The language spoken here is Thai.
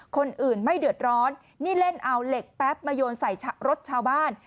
คนอื่นไม่เดือดร้อนนี่เล่นเอาเหล็กแป๊บมาโยนใส่รถชาวบ้าน